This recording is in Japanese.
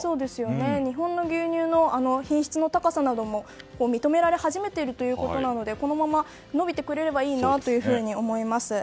日本の牛乳の品質の高さなども認められ始めているということなのでこのまま伸びてくれればいいなというふうに思います。